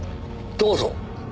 どうぞ。